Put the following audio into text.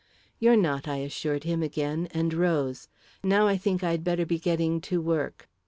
"You're not," I assured him again, and rose. "Now I think I'd better be getting to work."